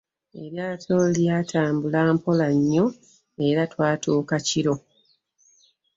Eryato lyatambula mpola nnyo era twatuuka kiro.